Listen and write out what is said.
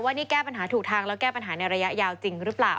นี่แก้ปัญหาถูกทางแล้วแก้ปัญหาในระยะยาวจริงหรือเปล่า